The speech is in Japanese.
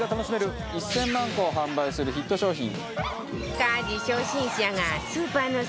バカリズム：１０００万個を販売する、ヒット商品。